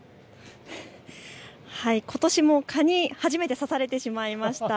ことしも蚊に初めて刺されてしまいました。